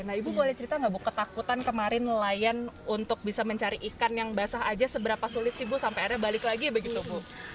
nah ibu boleh cerita nggak bu ketakutan kemarin nelayan untuk bisa mencari ikan yang basah aja seberapa sulit sih bu sampai akhirnya balik lagi begitu bu